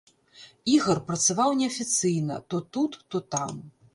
Ігар працаваў неафіцыйна, то тут, то там.